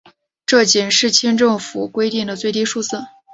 这仅是清政府规定的最低数字。